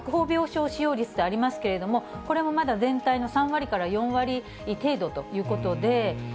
病床使用率ってありますけれども、これもまだ全体の３割から４割程度ということで。